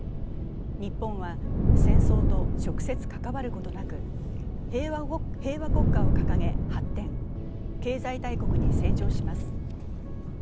日本は戦争と直接関わることなく、平和国家を掲げ発展、経済大国に成長します。